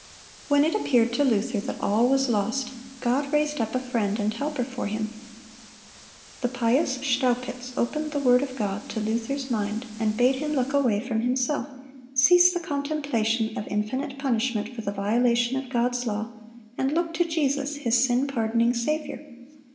When it appeared to Luther that all was lost, God raised up a friend and helper for him. The pious Staupitz opened the word of God to Luther's mind, and bade him look away from himself, cease the contemplation of infinite punishment for the violation of God's law, and look to Jesus, his sin pardoning Saviour.